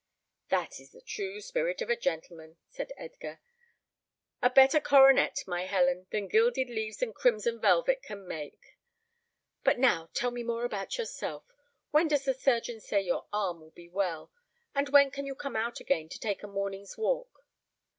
"That is the true spirit of a gentleman," said Edgar; "a better coronet, my Helen, than gilded leaves and crimson velvet can make. But now tell me more about yourself. When does the surgeon say your arm will be well, and when can you come out again to take a morning's walk?"